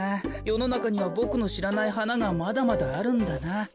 よのなかにはボクのしらないはながまだまだあるんだな。